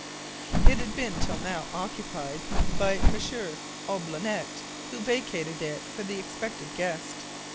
It had been till now occupied by M. Olbinett, who vacated it for the expected guest.